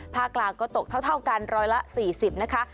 กลางก็ตกเท่ากันร้อยละ๔๐นะคะ